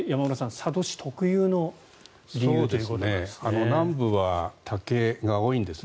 佐渡市特有の理由ということですね。